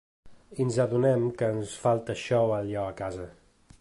I ens adonem que ens falta això o allò a casa.